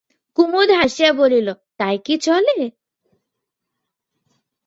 কুমুদ হাসিয়া বলিল, তাই কি চলে?